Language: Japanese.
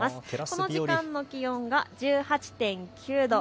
この時間の気温が１８．９度。